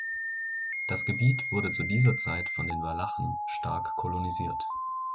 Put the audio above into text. Das Gebiet wurde zu dieser Zeit von den Walachen stark kolonisiert.